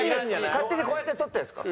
勝手にこうやって取ってるんですか？